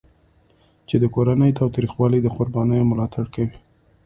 چې د کورني تاوتریخوالي د قربانیانو ملاتړ کوي.